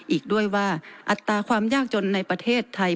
อีกด้วยว่าอัตราความยากจนในประเทศไทย